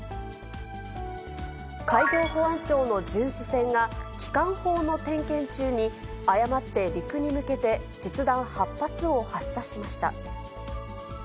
海上保安庁の巡視船が機関砲の点検中に、誤って陸に向けて、実弾８発を発射しました。